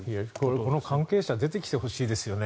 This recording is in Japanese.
この関係者出てきてほしいですよね。